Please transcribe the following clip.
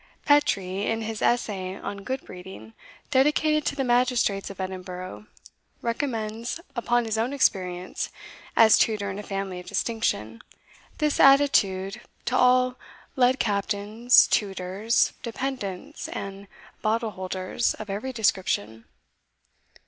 (Petrie, in his Essay on Good breeding, dedicated to the magistrates of Edinburgh, recommends, upon his own experience, as tutor in a family of distinction, this attitude to all led captains, tutors, dependants, and bottle holders of every description.